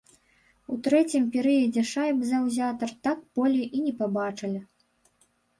У трэцім перыядзе шайб заўзятар так болей і не пабачылі.